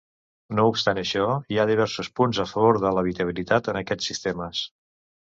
No obstant això, hi ha diversos punts a favor de l'habitabilitat en aquests sistemes.